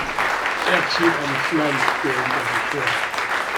Er zieht eine Schleimspur hinter sich her.